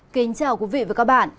kính chào quý vị và các bạn